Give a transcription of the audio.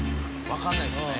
わかんないですね